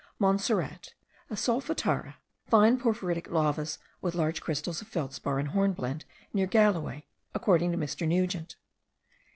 Montserrat, a solfatara; fine porphyritic lavas with large crystals of feldspar and hornblende near Galloway, according to Mr. Nugent.